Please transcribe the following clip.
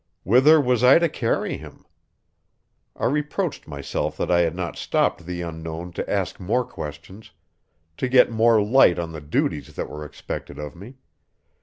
Whither was I to carry him? I reproached myself that I had not stopped the Unknown to ask more questions, to get more light on the duties that were expected of me.